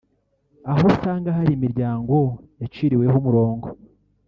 aho usanga hari imiryango yaciriweho umurongo